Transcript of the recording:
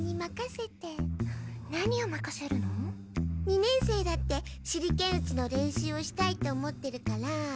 二年生だって手裏剣打ちの練習をしたいと思ってるから。